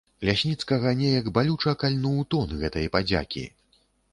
Лясніцкага неяк балюча кальнуў тон гэтай падзякі.